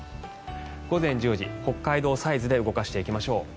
午前１０時北海道サイズで動かしていきましょう。